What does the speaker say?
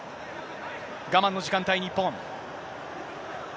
我慢の時間帯、日本。